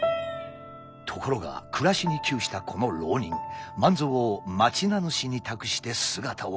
ところが暮らしに窮したこの浪人万蔵を町名主に託して姿を消してしまいます。